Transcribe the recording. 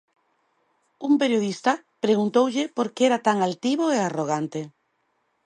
Un periodista preguntoulle por que era tan altivo e arrogante.